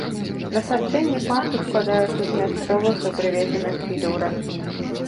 Насаджэнні парку складаюцца з мясцовых і прывезеных відаў раслін.